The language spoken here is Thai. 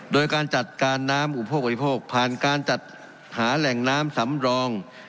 โดยการจัดการน้ำอุปโภคบริโภคผ่านการจัดหาแหล่งน้ำสำรอง